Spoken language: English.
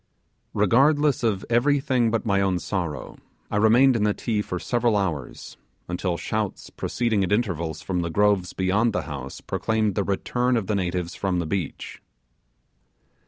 Regardless of everything but my own sorrow, I remained in the Ti for several hours, until shouts proceeding at intervals from the groves beyond the house proclaimed the return of the natives from the beach.